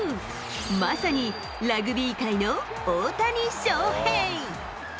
まさにラグビー界の大谷翔平。